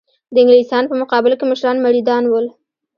د انګلیسیانو په مقابل کې مشران مریدان ول.